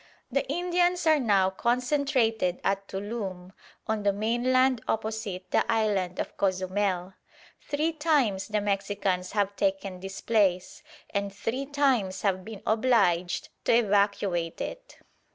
The Indians are now concentrated at Tuloom, on the mainland opposite the island of Cozumel. Three times the Mexicans have taken this place, and three times have been obliged to evacuate it.